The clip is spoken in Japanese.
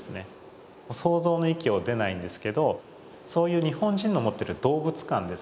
想像の域を出ないんですけどそういう日本人の持ってる動物観ですね